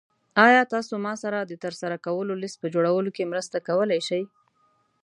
ایا تاسو ما سره د ترسره کولو لیست په جوړولو کې مرسته کولی شئ؟